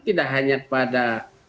tidak hanya kepada